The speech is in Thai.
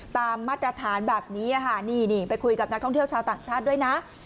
มาตรฐานแบบนี้ค่ะนี่ไปคุยกับนักท่องเที่ยวชาวต่างชาติด้วยนะ